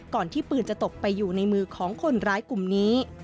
ก่อนที่ปืนจะตกไปอยู่ในมือของคนร้ายกลุ่มนี้